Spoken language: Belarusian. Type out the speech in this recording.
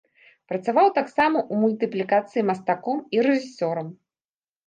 Працаваў таксама ў мультыплікацыі мастаком і рэжысёрам.